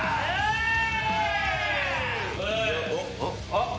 あっ。